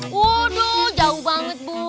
waduh jauh banget bu